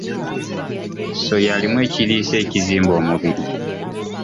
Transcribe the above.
Soya alimu ekiriisa ekizimba omubiri.